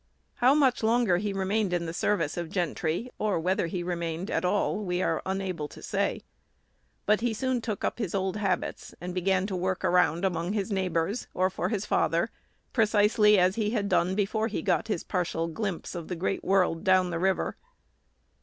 How much longer he remained in the service of Gentry, or whether he remained at all, we are unable to say; but he soon took up his old habits, and began to work around among his neighbors, or for his father, precisely as he had done before he got his partial glimpse of the great world down the river.